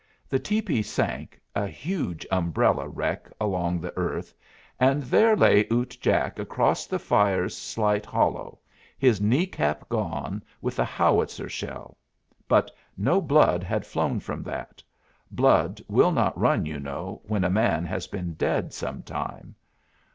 The tepee sank, a huge umbrella wreck along the earth, and there lay Ute Jack across the fire's slight hollow, his knee cap gone with the howitzer shell. But no blood had flown from that; blood will not run, you know, when a man has been dead some time.